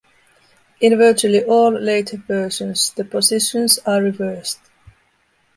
In virtually all later versions, the positions are reversed.